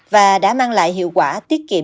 và đã mang lại hiệu quả tiết kiệm